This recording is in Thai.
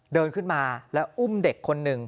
เดินขึ้นมาแล้วอุ้มเด็กคนหนึ่ง